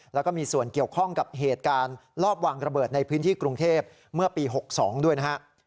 แล้วก็มีส่วนเกี่ยวข้องกับเหตุการณ์ลอบวางระเบิดในพื้นที่กรุงเทพเมื่อปี๖๒ด้วยนะฮะ